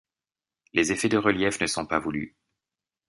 les effets de reliefs ne sont pas voulus